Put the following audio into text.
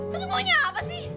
lo tuh maunya apa sih